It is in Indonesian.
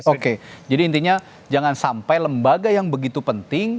oke jadi intinya jangan sampai lembaga yang begitu penting